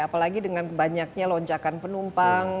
apalagi dengan banyaknya lonjakan penumpang